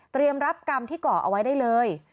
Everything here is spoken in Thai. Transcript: เตรียมรับกรรมที่เกาะเอาไว้ได้เลย